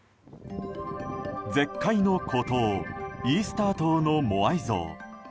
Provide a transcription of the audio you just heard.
絶海の孤島イースター島のモアイ像。